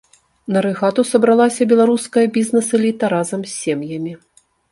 На рэгату сабралася беларуская бізнэс-эліта разам з сем'ямі.